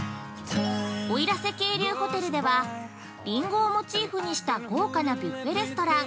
奥入瀬渓流ホテルではリンゴをモチーフにした豪華なビュッフェレストラン